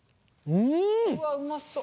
うわうまそう。